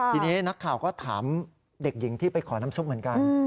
ทีนี้นักข่าวก็ถามเด็กหญิงที่ไปขอน้ำซุปเหมือนกัน